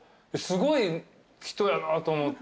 すごい人やなと思って。